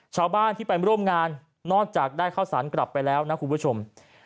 ชาวบ้านที่ไปร่วมงานนอกจากได้ข้าวสารกลับไปแล้วนะคุณผู้ชม